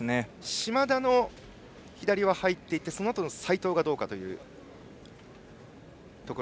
嶋田の左は入っていてそのあとの齊藤がどうか。